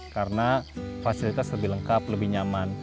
karena fasilitas lebih lengkap lebih nyaman